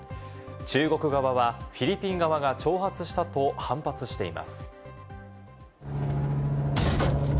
中国側はフィリピン側が挑発したと反発しています。